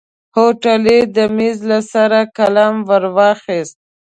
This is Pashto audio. هوټلي د ميز له سره قلم ور واخيست.